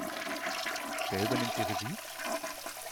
Wer übernimmt die Regie?